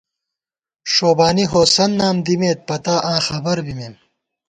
ݭوبانی ہوسند نام دِمېت، پتا آں خبر بِمېم